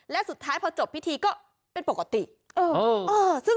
และสุดท้ายพอจบพิธีก็เป็นปกติ